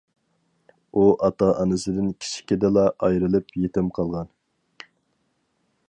ئۇ ئاتا-ئانىسىدىن كىچىكىدىلا ئايرىلىپ، يېتىم قالغان.